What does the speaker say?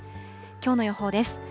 きょうの予報です。